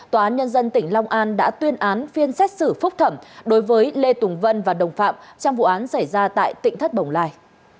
tòa án nhân dân tỉnh long an đã tuyên án phiên xét xử phúc thẩm đối với lê tùng vân và đồng phạm trong vụ án xảy ra tại tỉnh thất bồng lai